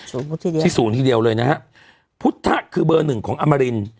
ทีเดียวที่ศูนย์ทีเดียวเลยนะฮะพุทธคือเบอร์หนึ่งของอมริน